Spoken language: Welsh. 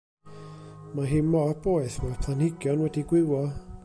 Mae hi mor boeth mae'r planhigion wedi gwywo.